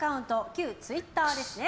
旧ツイッターですね。